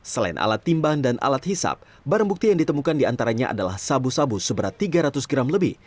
selain alat timbang dan alat hisap barang bukti yang ditemukan diantaranya adalah sabu sabu seberat tiga ratus gram lebih